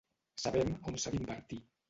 Sabem on s’ha d’invertir